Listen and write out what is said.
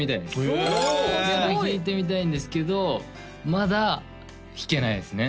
おおすごいピアノ弾いてみたいんですけどまだ弾けないですね